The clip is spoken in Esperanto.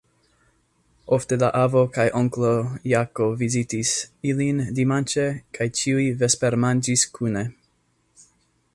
Ofte la avo kaj onklo Jako vizitis ilin dimanĉe kaj ĉiuj vespermanĝis kune.